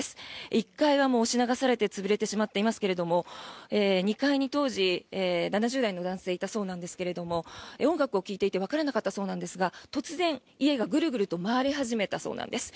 １階は押し流されて潰れてしまっていますが２階に当時、７０代の男性がいたそうなんですが音楽を聴いていてわからなかったそうなんですが突然、家がグルグルと回り始めたそうです。